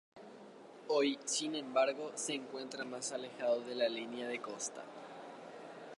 Hoy sin embargo se encuentra más alejado de la línea de costa.